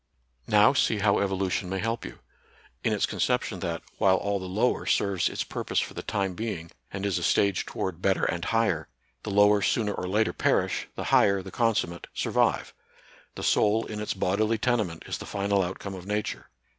Now see how evolution may help you ;— in its conception that, while all the lower serves its purpose for the time being, and is a stage toward better and higher, the lower sooner or later perish, the higher, the consummate, sur vive. The soul in its bodily tenement is the final outcome of Nature.